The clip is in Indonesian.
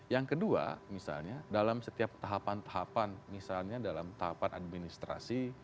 yang kedua misalnya dalam setiap tahapan tahapan misalnya dalam tahapan administrasi